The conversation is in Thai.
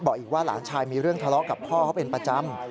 อีกว่าหลานชายมีเรื่องทะเลาะกับพ่อเขาเป็นประจำ